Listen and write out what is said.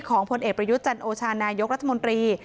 ของปรเ๋ประยุทธ์จโอชาณนายท์รัฐมนตรี